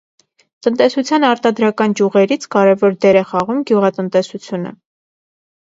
Տնտեսության արտադրական ճյուղերից կարևոր դեր է խաղում գյուղատնտեսությունը։